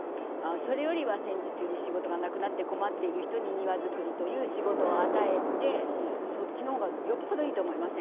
それよりは戦時中に仕事がなくなってこまっている人に庭づくりという仕事をあたえてそっちのほうがよっぽどいいと思いませんか？